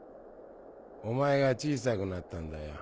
お前が小さくなったんだよ。